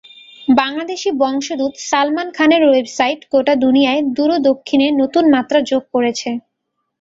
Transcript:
বাংলাদেশি বংশোদ্ভূত সালমান খানের ওয়েবসাইট গোটা দুনিয়ায় দূরশিক্ষণে নতুন মাত্রা যোগ করেছে।